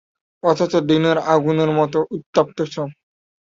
অথচ দিনে আগুনের মত উত্তপ্ত সব।